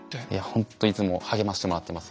ほんといつも励ましてもらってます